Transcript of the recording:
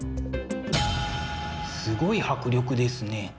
すごい迫力ですね。